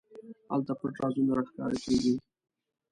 هلته پټ رازونه راښکاره کېږي.